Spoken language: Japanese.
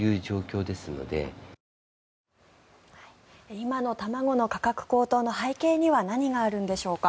今の卵の価格高騰の背景には何があるんでしょうか。